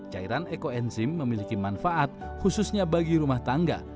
cairan ekoenzim memiliki manfaat khususnya bagi rumah tangga